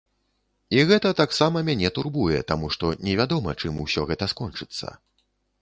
І гэта таксама мяне турбуе, таму што невядома, чым усё гэта скончыцца.